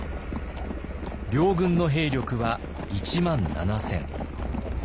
両軍の兵力は１万７千。